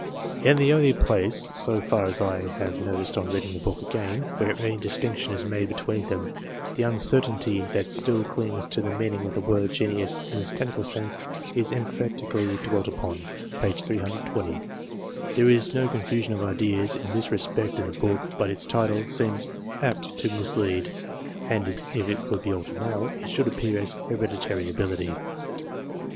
In the only place, so far as I have noticed on reading the book again, where any dis tinction is made between them, the uncertainty that still clings to the meaning of the word genius in its technical sense is emphatically dwelt upon (p. 320). There is no confusion of ideas in this respect in the book, but its title seems apt to mislead, and if it could be altered now, it should appear as Hereditary Ability.